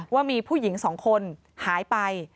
ว่ามีผู้หญิง๒คนหายไป